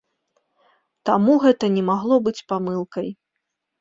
Таму гэта не магло быць памылкай.